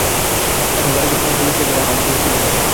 এখন বাড়িঘর সমস্ত বিক্রি হইয়া আহার চলা দায়।